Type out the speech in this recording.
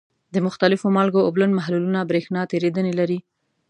د مختلفو مالګو اوبلن محلولونه برېښنا تیریدنې لري.